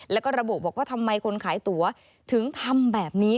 แล้วก็ระบุบอกว่าทำไมคนขายตั๋วถึงทำแบบนี้